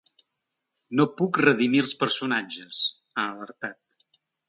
“No puc redimir els personatges”, ha alertat.